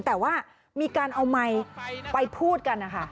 แต่ว่ามีการเอาไมค์ไปพูดกันนะคะ